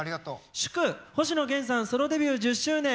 「祝！星野源さんソロデビュー１０周年！